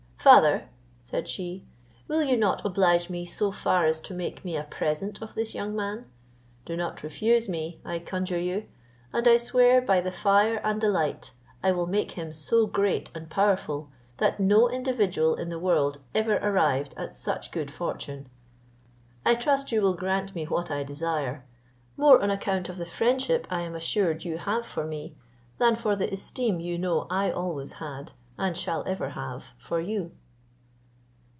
"Father," said she, "will you not oblige me so far as to make me a present of this young man? Do not refuse me, I conjure you; and I swear by the fire and the light, I will make him so great and powerful, that no individual in the world ever arrived at such good fortune. Although my purpose be to do evil to all mankind, he shall be an exception. I trust you will grant me what I desire, more on account of the friendship I am assured you have for me, than for the esteem you know I always had, and shall ever have for you."